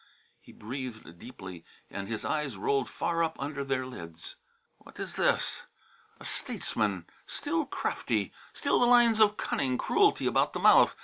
He breathed deeply and his eyes rolled far up under their lids. "What is this? A statesman, still crafty, still the lines of cunning cruelty about the mouth.